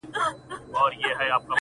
د نیکه ږغ!.